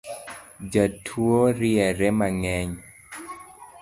Jatuo riere mang’eny